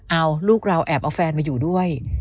เอาลูกเราแอบเอาแฟนมาอยู่ด้วย